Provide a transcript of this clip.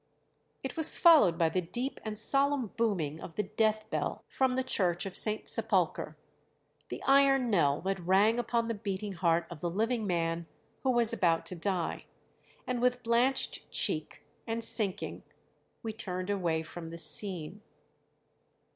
It was followed by the deep and solemn booming of the death bell from the church of St. Sepulchre the iron knell that rang upon the beating heart of the living man who was about to die; and with blanched cheek, and sinking, we turned away from the scene."